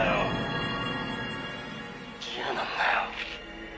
「自由なんだよ」